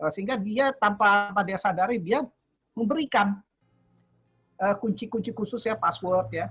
sehingga dia tanpa dia sadari dia memberikan kunci kunci khusus ya password ya